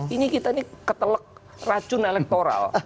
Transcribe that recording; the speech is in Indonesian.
ini kita ini keteluk racun elektoral